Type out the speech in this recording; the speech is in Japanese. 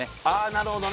なるほどね